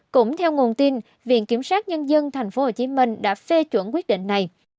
cũng theo nguồn tin viện kiểm sát nhân dân tp hcm đã phê chuẩn quyết định này